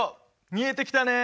見えてきたね！